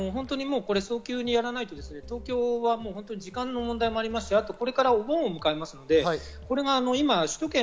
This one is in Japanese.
早急にやらないと東京は時間の問題もありますし、これからお盆を迎えます。